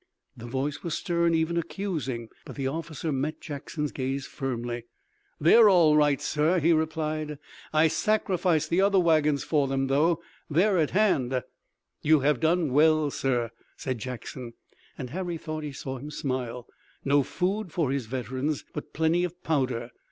The voice was stern, even accusing, but the officer met Jackson's gaze firmly. "They are all right, sir," he replied. "I sacrificed the other wagons for them, though. They're at hand." "You have done well, sir," said Jackson, and Harry thought he saw him smile. No food for his veterans, but plenty of powder.